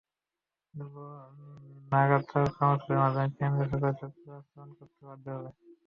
এরপর লাগাতার কর্মসূচির মাধ্যমে কেন্দ্রীয় সরকারকে চুক্তির বাস্তবায়ন করতে বাধ্য করা হবে।